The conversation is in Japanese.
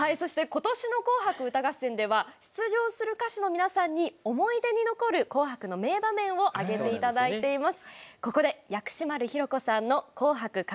出場する歌手の皆さんに思い出に残る「紅白」の名場面を挙げていただいています。